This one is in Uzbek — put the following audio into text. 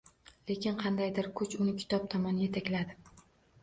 Lekin qandaydir kuch uni kitob tomon yetakladi